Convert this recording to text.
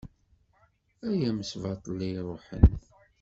Ay amesbaṭli iṛuḥen.